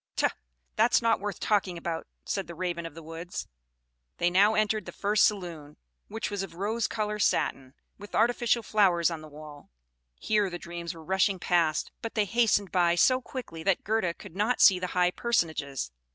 "Tut! That's not worth talking about," said the Raven of the woods. They now entered the first saloon, which was of rose colored satin, with artificial flowers on the wall. Here the dreams were rushing past, but they hastened by so quickly that Gerda could not see the high personages.